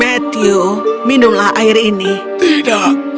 tapi pada kenya kemudian mereka bisa di roberts journalist